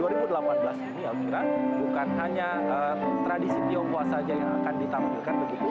dua ribu delapan belas ini ya kira bukan hanya tradisi tiongkok saja yang akan ditampilkan begitu